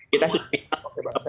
kita sudah final